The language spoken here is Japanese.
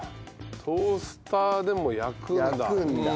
トースターでも焼くんだ。